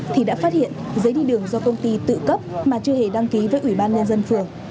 thì đã phát hiện giấy đi đường do công ty tự cấp mà chưa hề đăng ký với ủy ban nhân dân phường